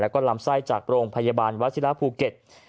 แล้วก็ลำไส้จากโรงพยาบาลวัชิระภูเก็ต